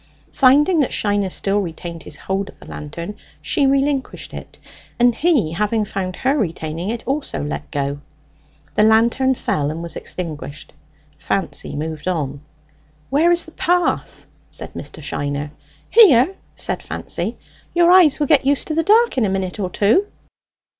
Finding that Shiner still retained his hold of the lantern, she relinquished it, and he, having found her retaining it, also let go. The lantern fell, and was extinguished. Fancy moved on. "Where is the path?" said Mr. Shiner. "Here," said Fancy. "Your eyes will get used to the dark in a minute or two."